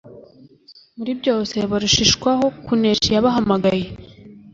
muri byose barushishwaho kunesha n’iyabahamagaye